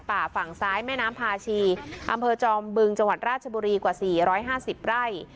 ป่าฝั่งซ้ายแม่น้ำพาชีอำเภอจอมบึงจังหวัดราชบุรีกว่า๔๕๐ไร่